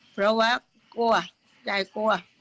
เพราะว่ากลัวยายกลัว